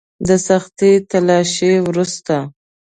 د سختې تلاشۍ وروسته.